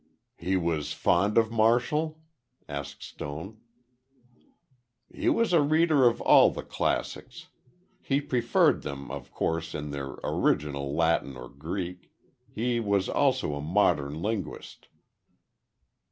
"He was fond of Martial?" asked Stone. "He was a reader of all the classics. He preferred them, of course, in their original Latin or Greek. He was also a modern linguist."